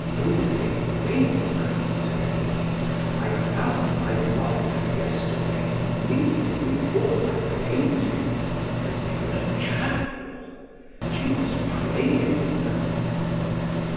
"Only think," said he, "I found my wife yesterday kneeling before that painting as if in a chapel. She was praying!"